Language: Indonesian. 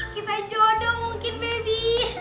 kita jodoh mungkin bebi